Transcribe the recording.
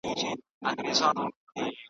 چي آواز یې داسي ډک دی له هیبته .